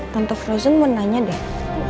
tante frozen mau nanya deh